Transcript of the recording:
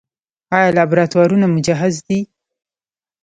آیا لابراتوارونه مجهز دي؟